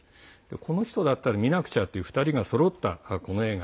この人だったら、見なくちゃという２人がそろったこの映画。